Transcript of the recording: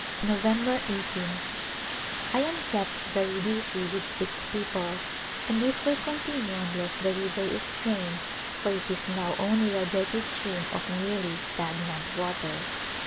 November 1 8th. I am kept very busy with sick people and this will continue unless the river is drained for it is now only a dirty stream of nearly stagnant water.